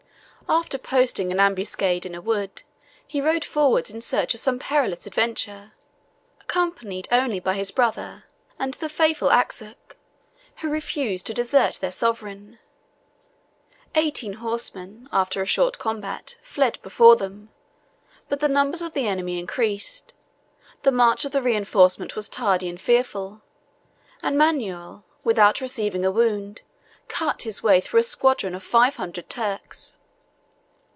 After posting an ambuscade in a wood, he rode forwards in search of some perilous adventure, accompanied only by his brother and the faithful Axuch, who refused to desert their sovereign. Eighteen horsemen, after a short combat, fled before them: but the numbers of the enemy increased; the march of the reenforcement was tardy and fearful, and Manuel, without receiving a wound, cut his way through a squadron of five hundred Turks.